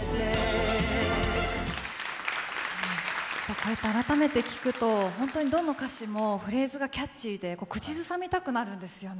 こうやった改めて聞くと、本当にどの歌詩もフレーズがキャッチーで口ずさみたくなるんですよね。